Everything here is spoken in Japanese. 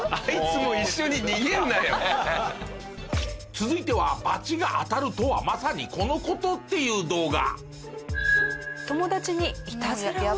続いてはバチが当たるとはまさにこの事っていう動画。